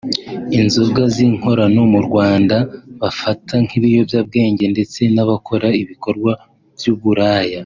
inzoga z’inkorano mu Rwanda bafata nk’ibiyobyebwenge ndetse n’abakora ibikorwa by’uburaya